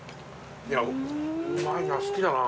うまいな好きだな。